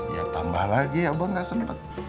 ya tambah lagi abah nggak sempat